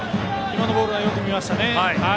今のボールはよく見ましたね。